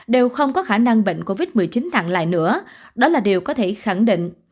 đều không có khả năng bệnh covid một mươi chín nặng lại nữa đó là điều có thể khẳng định